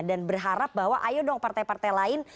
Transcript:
dan berharap bahwa ayo dong partai partai lain